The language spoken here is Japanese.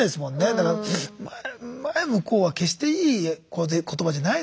だから「前向こう」は決していい言葉じゃないですもんね。